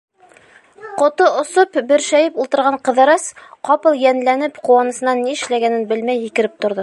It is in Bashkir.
Ҡото осоп, бөршәйеп ултырған Ҡыҙырас, ҡапыл йәнләнеп, ҡыуанысынан ни эшләгәнен белмәй һикереп торҙо.